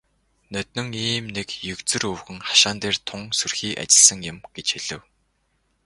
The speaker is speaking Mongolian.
"Ноднин ийм нэг егзөр өвгөн хашаан дээр тун сүрхий ажилласан юм" гэж хэлэв.